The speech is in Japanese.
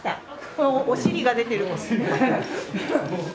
このお尻が出てる。